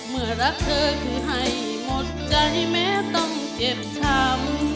เมื่อรักเธอคือให้หมดใจแม้ต้องเจ็บช้ำ